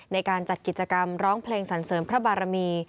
ในการจัดกิจกรรมร้องเพลงสรรเสริมพระบารมี